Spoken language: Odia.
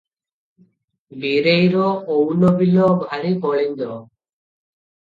ବୀରେଇର ଅଉଲ ବିଲ- ଭାରି କଳିନ୍ଦ ।